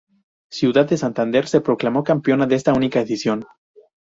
Ciudad de Santander se proclamó campeona de este única edición.